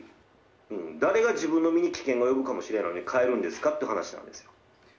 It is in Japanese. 誰が自分の身に危険が及ぶかもしれないのに帰るんですかという話なんですよ。